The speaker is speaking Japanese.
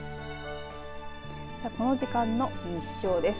この時間の日照です。